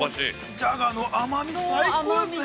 ◆じゃがの甘み、最高ですね。